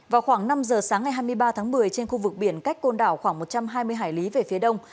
vào khoảng năm giờ sáng ngày hai mươi ba tháng một mươi trên khu vực biển cách côn đảo khoảng một trăm hai mươi hải lý về phía đông